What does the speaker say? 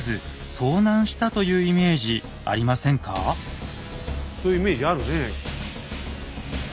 そういうイメージあるね。